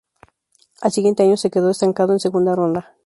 Al siguiente año se quedó estancada en segunda ronda.